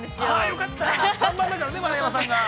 ◆よかった、３番だからね丸山さんが。